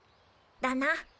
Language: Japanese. だな。